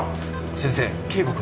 先生圭吾君は？